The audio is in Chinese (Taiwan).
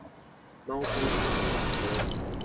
貓空空中纜車